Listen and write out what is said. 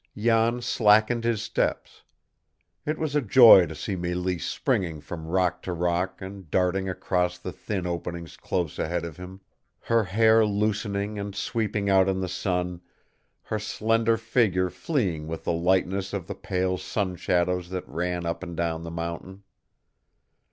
Jan slackened his steps. It was a joy to see Mélisse springing from rock to rock and darting across the thin openings close ahead of him, her hair loosening and sweeping out in the sun, her slender figure fleeing with the lightness of the pale sun shadows that ran up and down the mountain.